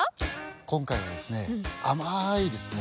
今回はですね甘いですね